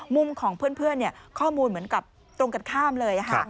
มุมของเพื่อนข้อมูลเหมือนกับตรงกันข้ามเลย